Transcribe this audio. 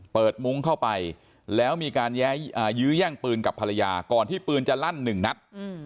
มุ้งเข้าไปแล้วมีการยื้อแย่งปืนกับภรรยาก่อนที่ปืนจะลั่นหนึ่งนัด